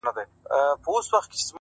سپينه كوتره په هوا كه او باڼه راتوی كړه’